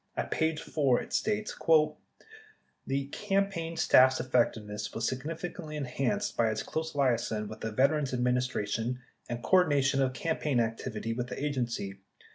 At page 4 it states : The campaign staff's effectiveness was significantly en hanced by its close liaison with the Veterans' Administration and cordination of campaign activity with the agency.